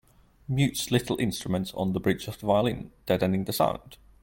Mutes little instruments on the bridge of the violin, deadening the sound.